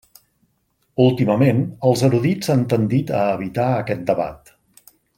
Últimament, els erudits han tendit a evitar aquest debat.